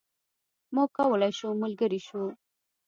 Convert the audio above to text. موږ کولای شو ملګري شو.